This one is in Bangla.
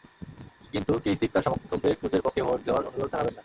কিন্তু কেইসিক তাঁর সমর্থকদের ক্রুজের পক্ষে ভোট দেওয়ার অনুরোধ জানাবেন না।